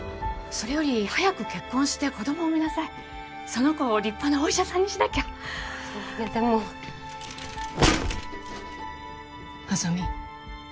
それより早く結婚して子供を産みなさいその子を立派なお医者さんにしなきゃ麻美